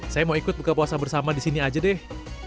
saya mau ikut buka puasa bersama di sini aja deh